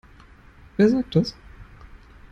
Wer sagt das?